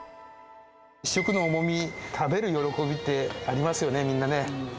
１食の重み、食べる喜びってありますよね、みんなね。